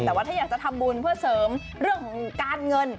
แต่ว่าถ้าอยากจะทำบุญเพื่อเสริมเรื่องของการเงิน